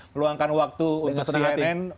meluangkan waktu untuk srinn